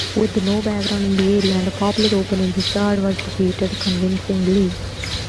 With no background in the area, and a popular opponent, Richard was defeated convincingly.